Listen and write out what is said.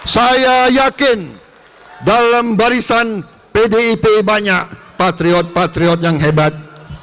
saya yakin dalam barisan pdip banyak patriot patriot yang hebat